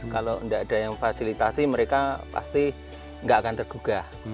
kalau tidak ada yang fasilitasi mereka pasti nggak akan tergugah